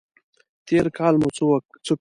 تېر کال مو څه کول؟